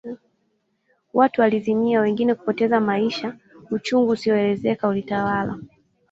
Watu walizimia wengine kupoteza maisha uchungu usioelezeka ulitawala